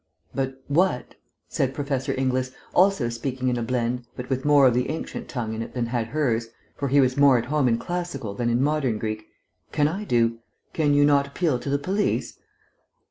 "But what," said Professor Inglis, also speaking in a blend, but with more of the ancient tongue in it that had hers, for he was more at home in classical than in modern Greek, "can I do? Can you not appeal to the police?"